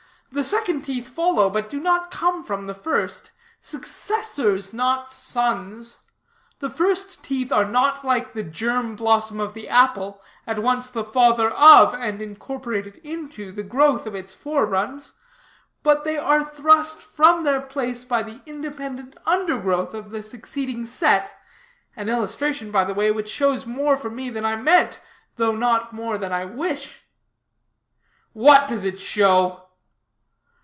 "The second teeth follow, but do not come from, the first; successors, not sons. The first teeth are not like the germ blossom of the apple, at once the father of, and incorporated into, the growth it foreruns; but they are thrust from their place by the independent undergrowth of the succeeding set an illustration, by the way, which shows more for me than I meant, though not more than I wish." "What does it show?"